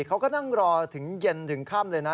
เขาก็นั่งรอถึงเย็นถึงค่ำเลยนะ